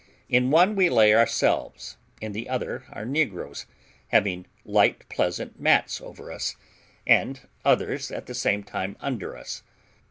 In one we lay ourselves, in the other our negroes, having light pleasant mats over us, and others at the same time under us.